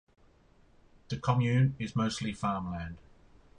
The commune is mostly farmland.